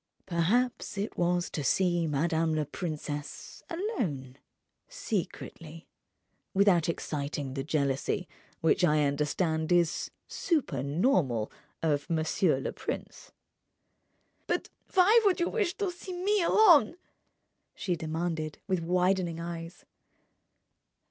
"Perhaps it was to see madame la princesse alone—secretly—without exciting the jealousy, which I understand is supernormal, of monsieur le prince." "But why should you wish to see me alone?" she demanded, with widening eyes.